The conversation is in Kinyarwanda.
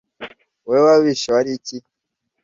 Wowe wabishe wari iki?